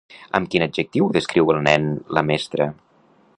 Amb quin adjectiu descriu el nen, la mestra?